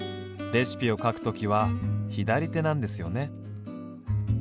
レシピを書くときは左手なんですよね。